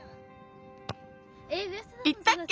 いったっけ？